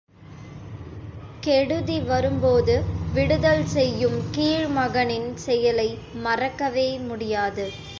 கெடுதி வரும்போது விடுதல் செய்யும் கீழ்மகனின் செயலை மறக்கவே முடியாது.